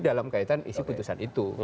dalam kaitan isi putusan itu